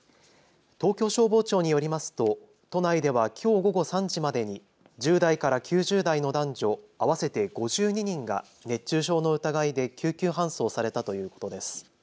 東京消防庁によりますと都内ではきょう午後３時までに１０代から９０代の男女合わせて５２人が熱中症の疑いで救急搬送されたということです。